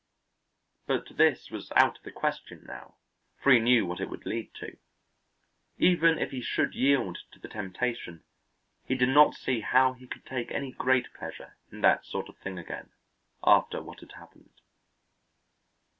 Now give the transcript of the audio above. But this was out of the question now, for he knew what it would lead to. Even if he should yield to the temptation, he did not see how he could take any great pleasure in that sort of thing again, after what had happened.